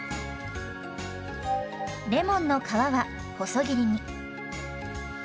レモンの皮は細切りに。